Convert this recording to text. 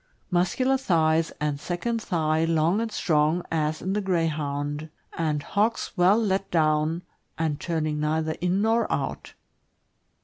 — Muscular thighs, and second thigh long and strong, as in the Greyhound, and hocks well let down, and turning neither in nor out.